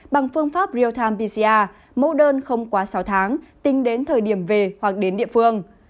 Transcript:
bằng phương pháp real time pcr mẫu đơn không quá sáu tháng tính đến thời điểm về hoặc đến địa phương